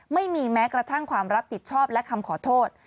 ไม่มีแม้กระทั่งความรับผิดชอบและคำขอโทษ